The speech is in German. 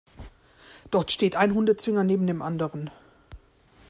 Dort steht ein Hundezwinger neben dem anderen.